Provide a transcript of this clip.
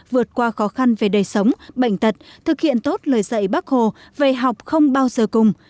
vượt qua khó khăn về đời sống bệnh tật thực hiện tốt lời dạy bác hồ về học không bao giờ cùng